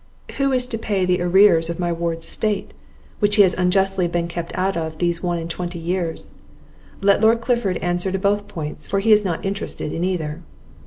Who is to pay the arrears of my ward's estate, which he has unjustly been kept out of these one and twenty years? Let Lord Clifford answer to both points, for he is not interested in either."